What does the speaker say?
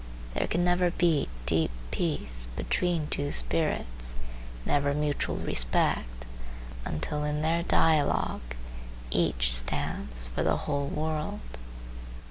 There can never be deep peace between two spirits, never mutual respect, until in their dialogue each stands for the whole world.